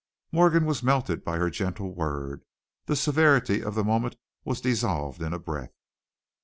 Morgan was melted by her gentle word; the severity of the moment was dissolved in a breath.